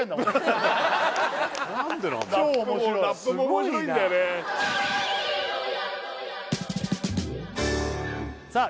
ラップも面白いんだよねさあ